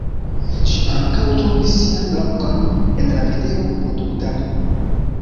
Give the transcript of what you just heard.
Ĝi ankaŭ trovis sian lokon en la video-produktado.